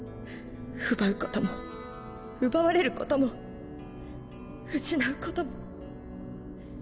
奪うことも奪われることも失うことも。